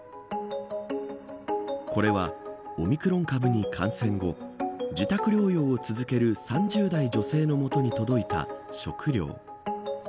これは、オミクロン株に感染後自宅療養を続ける３０代の女性の元に届いた食料。